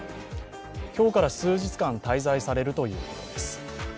今日から数日間、滞在されるということです。